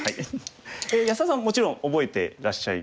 安田さんはもちろん覚えてらっしゃいますよね。